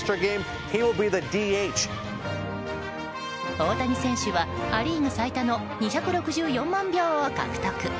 大谷選手はア・リーグ最多の２６４万票を獲得。